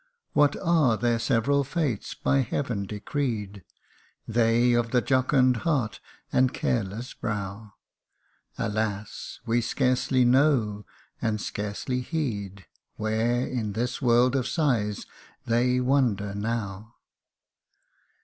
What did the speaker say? What are their several fates, by Heaven decreed, They of the jocund heart, and careless brow ? Alas ! we scarcely know and scarcely heed, Where, in this world of sighs, they wander now.